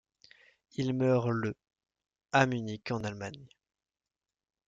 Il meurt le à Munich en Allemagne.